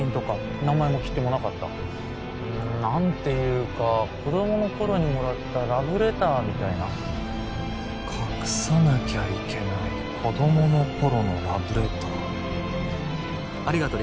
名前も切手もなかったうん何ていうか子どもの頃にもらったラブレターみたいな隠さなきゃいけない子どもの頃のラブレターありがとう